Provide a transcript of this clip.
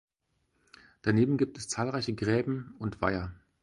Daneben gibt es zahlreiche Gräben und Weiher.